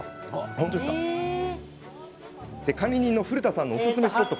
管理人の古田さんおすすめのスポット